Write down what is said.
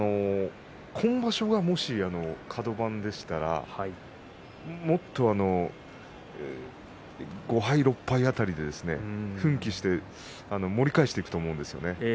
今場所がもしカド番でしたらもっと５敗、６敗辺りで奮起して盛り返していくと思うんですよね。